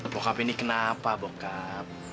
bokap ini kenapa bokap